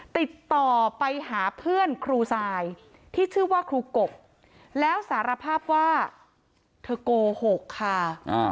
ติดต่อไปหาเพื่อนครูทรายที่ชื่อว่าครูกบแล้วสารภาพว่าเธอโกหกค่ะ